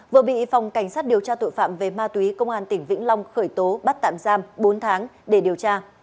vừa bị phòng cảnh sát điều tra tội phạm về ma túy công an tỉnh vĩnh long khởi tố bắt tạm giam bốn tháng để điều tra